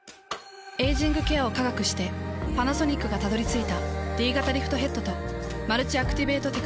エイジングケアを科学してパナソニックがたどり着いたＤ型リフトヘッドとマルチアクティベートテクノロジー。